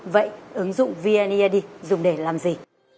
vậy ứng dụng vneid dùng để làm gì